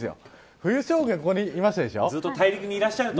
冬将軍、ここにいますでしょ。